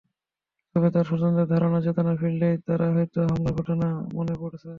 তবে তাঁর স্বজনদের ধারণা, চেতনা ফিরলেই তাঁর হয়তো হামলার ঘটনা মনে পড়ছে।